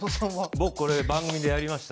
僕これ番組でやりました。